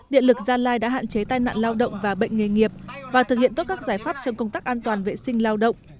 điện lực gia lai đã hạn chế tai nạn lao động và bệnh nghề nghiệp và thực hiện tốt các giải pháp trong công tác an toàn vệ sinh lao động